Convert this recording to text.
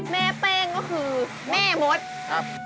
แม่เป้งก็คือแม่มดครับ